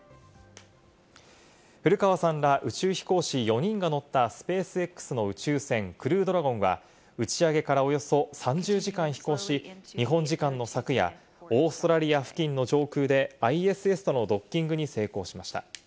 古川さんら宇宙飛行士４人が乗ったスペースＸの宇宙船クルードラゴンは打ち上げからおよそ３０時間飛行し、日本時間の昨夜、オーストラリア付近の上空で、ＩＳＳとのドッキングに成功しました。